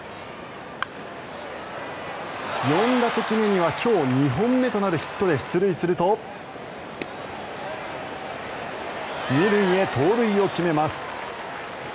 ４打席目には今日２本目となるヒットで出塁すると２塁へ盗塁を決めます。